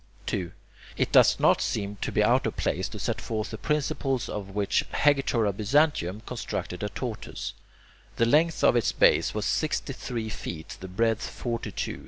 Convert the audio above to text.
2. It does not seem to me out of place to set forth the principles on which Hegetor of Byzantium constructed a tortoise. The length of its base was sixty three feet, the breadth forty two.